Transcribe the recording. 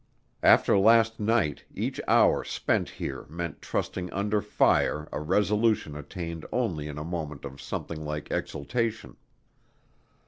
After last night each hour spent here meant trusting under fire a resolution attained only in a moment of something like exaltation.